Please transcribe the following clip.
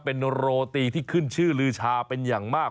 เป็นโรตีที่ขึ้นชื่อลือชาเป็นอย่างมาก